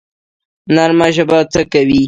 نرمه ژبه څه کوي؟